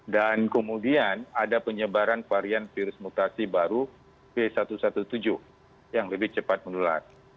dan kemudian ada penyebaran varian virus mutasi baru b satu satu tujuh yang lebih cepat menular